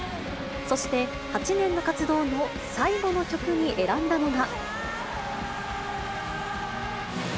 そして、８年の活動の最後の曲に選んだのが。